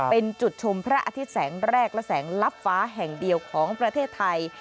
เป็นจุดชมพระอาทิตย์แสงแรกและแสงลับฟ้าแห่งเดียวของประเทศไทย